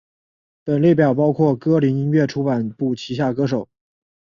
本列表包括歌林音乐出版部旗下歌手。